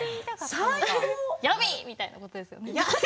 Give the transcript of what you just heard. ヤミ−みたいなことですよね。